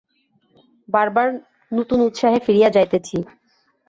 বার বার নূতন উৎসাহে ফিরিয়া যাইতেছি।